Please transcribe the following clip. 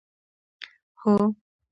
هو.